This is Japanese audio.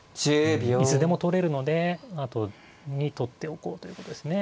いつでも取れるのであとに取っておこうということですね。